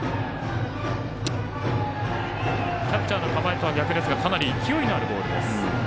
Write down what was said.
キャッチャーの構えとは逆ですがかなり勢いのあるボールです。